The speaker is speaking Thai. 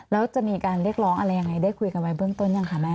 แล้วจะมีการเรียกร้องอะไรยังไงได้คุยกันไว้เบื้องต้นยังคะแม่